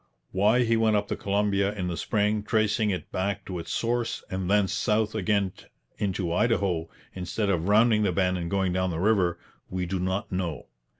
Why he went up the Columbia in the spring, tracing it back to its source, and thence south again into Idaho, instead of rounding the bend and going down the river, we do not know.